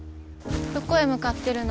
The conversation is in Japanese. どこへ向かってるの？